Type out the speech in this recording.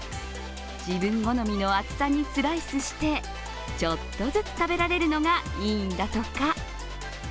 自分好みの厚さにスライスしてちょっとずつ食べられるのがいいんだとか。